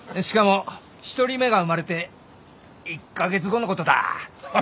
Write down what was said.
しかも１人目が生まれて１カ月後のことだ。